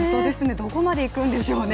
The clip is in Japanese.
どこまでいくんでしょうね。